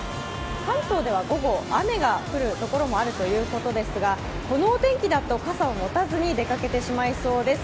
関東では午後、雨が降るところもあるということですが、このお天気だと傘を持たずに出かけてしまいそです。